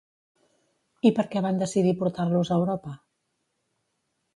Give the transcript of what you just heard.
I per què van decidir portar-los a Europa?